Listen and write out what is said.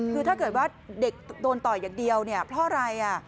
คือถ้าเกิดว่าเด็กโดนต่อยอย่างเดียวเนี่ยเพราะอะไร